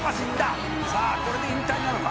「さあこれで引退なのか」